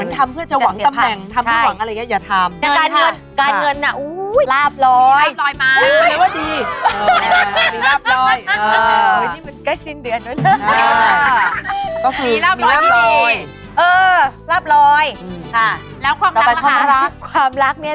มันทำเพื่อจะหวังตำแหน่งทำเพื่อหวังอะไรก็อย่าทำ